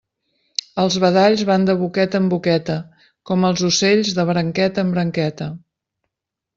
Els badalls van de boqueta en boqueta, com els ocells de branqueta en branqueta.